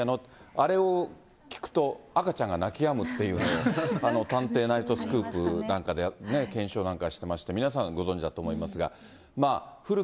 あれを聞くと、赤ちゃんが泣きやむっていうのを、探偵ナイトスクープなんかで検証なんかしてまして、皆さんご存じだと思いますが。